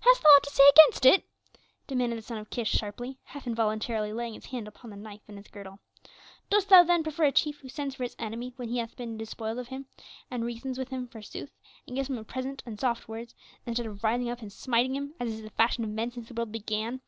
"Hast thou aught to say against it?" demanded the son of Kish sharply, half involuntarily laying his hand upon the knife in his girdle. "Dost thou then prefer a chief who sends for his enemy when he hath been despoiled of him, and reasons with him forsooth, and gives him a present and soft words, instead of rising up and smiting him, as is the fashion of men since the world began?